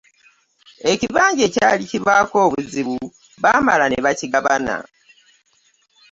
Ekibanja ekyali kivaako obuzibu baamala ne bakigabana.